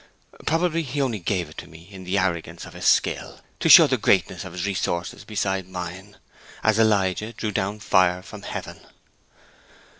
Probably he only gave it to me in the arrogance of his skill, to show the greatness of his resources beside mine, as Elijah drew down fire from heaven."